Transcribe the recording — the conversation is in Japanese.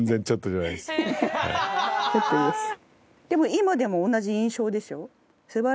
でも今でも同じ印象ですよ。